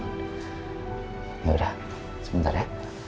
yaudah sebentar ya